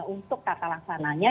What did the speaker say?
untuk tata laksananya